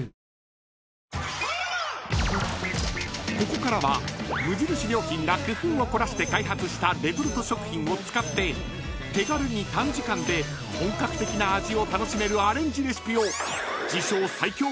［ここからは無印良品が工夫を凝らして開発したレトルト食品を使って手軽に短時間で本格的な味を楽しめるアレンジレシピを自称最強